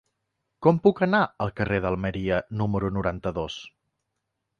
Com puc anar al carrer d'Almeria número noranta-dos?